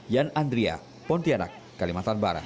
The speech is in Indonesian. yan andria pontianak kalimantan barat